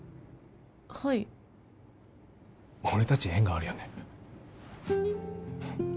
はい俺達縁があるよね